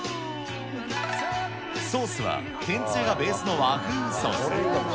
ソースは天つゆがベースの和風ソース。